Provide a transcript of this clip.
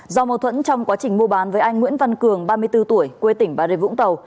do mâu thuẫn trong quá trình mua bán với anh nguyễn văn cường ba mươi bốn tuổi quê tỉnh bà rê vũng tàu